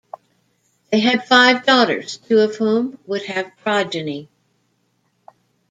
They had five daughters, two of whom would have progeny.